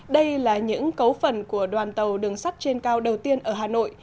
đây là những cấu phần của đoàn tàu đường sắt trên cao đầu tiên ở hà nội